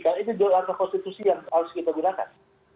karena itu juga langkah konstitusi yang harus kita gunakan